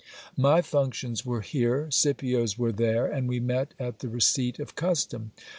My functions were here, Scipio's were there ; and we met at the receipt of custom.